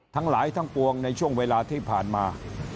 ทั้งหลายทั้งปวงในช่วงเวลาที่ผ่านมา